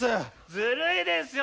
ずるいですよ！